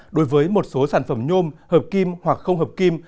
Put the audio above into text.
đối với một số sản phẩm nhôm hợp kim hoặc không hợp kim